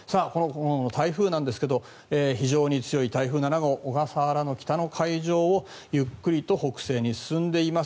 台風ですが、非常に強い台風７号小笠原の北の海上をゆっくりと北西に進んでいます。